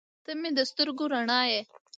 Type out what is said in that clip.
• ته مې د سترګو رڼا یې.